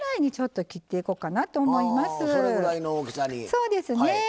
そうですね。